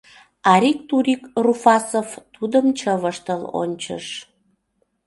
Арик-турик Руфасов тудым чывыштыл ончыш.